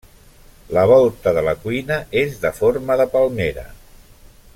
La volta de la cuina és de forma de palmera.